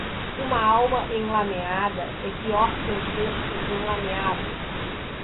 Uma alma enlameada é pior que um corpo enlameado.